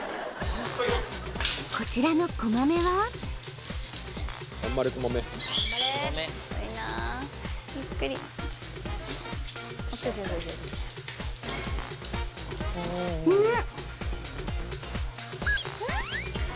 こちらのこまめはうん！